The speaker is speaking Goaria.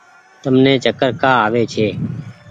تم ني چڪر ڪآ آوي ڇي۔